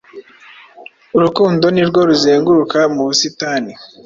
urukundo nirwo ruzenguruka mu busitani,